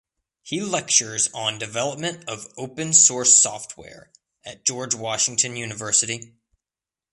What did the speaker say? He lectures on "Development of Open Source Software" at George Washington University.